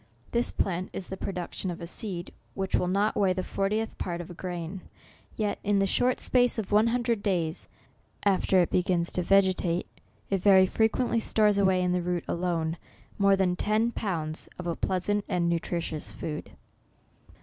This plant is the production of a seed which will not weigh the fortieth part of a grain ; yet, in the short space of one hundred days after it begins to vegetate, it very frequent ly stores away in the root alone, more than ten pounds of a pleasant and nutritious food.